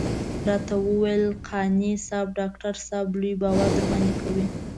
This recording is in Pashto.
راته وويل قانع صاحب ډاکټر صاحب لوی باور درباندې کوي.